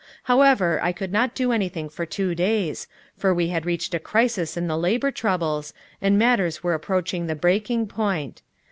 However, I could not do anything for two days, for we had reached a crisis in the labor troubles, and matters were approaching the breaking point.